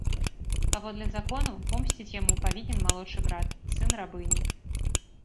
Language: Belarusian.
Паводле закону, помсціць яму павінен малодшы брат, сын рабыні.